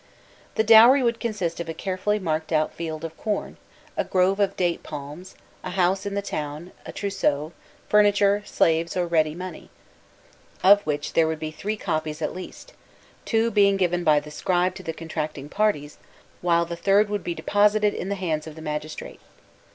The dowry would consist of a carefully marked out field of corn, a grove of date palms, a house in the town, a trousseau, furniture, slaves, or ready money; the whole would be committed to clay, of which there would be three copies at least, two being given by the scribe to the contracting parties, while the third would be deposited in the hands of the magistrate.